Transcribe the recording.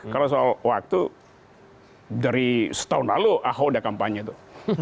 kalau soal waktu dari setahun lalu aho udah kampanye tuh